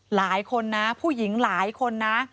หลายคนนะผู้หญิงหลายคนนะ